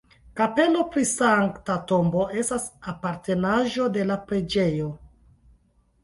Kapelo pri Sankta Tombo estas apartenaĵo de la preĝejo.